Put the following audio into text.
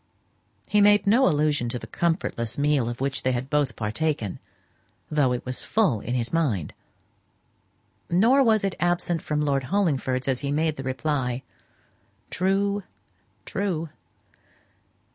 He made no allusion to the comfortless meal of which they had both partaken, though it was full in his mind. Nor was it absent from Lord Hollingford's as he made reply, "True, true.